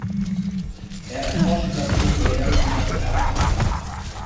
Er erforschte das populäre Wiener Theater.